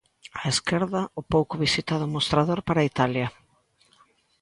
Á esquerda, o pouco visitado mostrador para Italia.